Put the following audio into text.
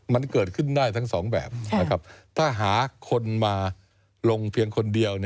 มันเกิดขึ้นได้ทั้งสองแบบนะครับถ้าหาคนมาลงเพียงคนเดียว